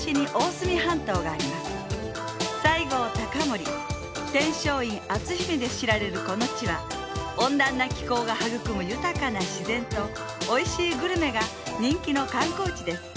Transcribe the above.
西郷隆盛天璋院篤姫で知られるこの地は温暖な気候が育む豊かな自然と美味しいグルメが人気の観光地です